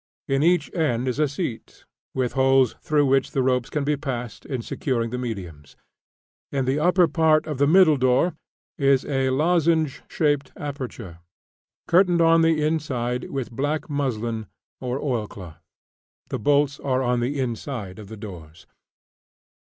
In each end is a seat, with holes through which the ropes can be passed in securing the mediums. In the upper part of the middle door is a lozenge shaped aperture, curtained on the inside with black muslin or oilcloth. The bolts are on the inside of the doors.